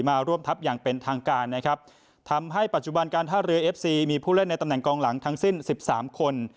มาร่วมทัพอย่างเป็นทางการนะครับทำให้ปัจจุบันการท่าเรือเอฟซีมีผู้เล่นในตำแหน่งกองหลังทั้งสิ้นสิบสามคน